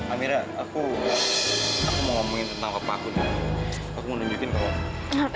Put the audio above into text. amira aku mau ngomongin tentang apa aku dulu aku mau nungguin kamu